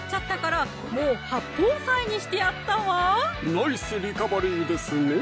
ナイスリカバリーですね